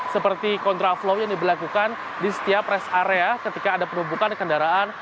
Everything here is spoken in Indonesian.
seperti kontraflow yang diberlakukan di setiap rest area ketika ada penumpukan kendaraan